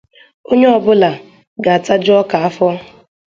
Onye ọbụla ga-ataju ọka afọ